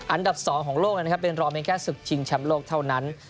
อันดับ๒ของโลกนะครับเป็นรอเพียงแค่ศึกชิงแชมป์โลกเท่านั้น